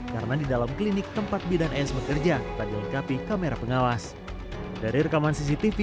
karena di dalam klinik tempat bidan es bekerja tak dilengkapi kamera pengawas dari rekaman cctv